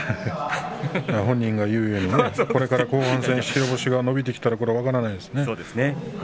本人が言うように後半、白星が伸びてきたら分からないですよ。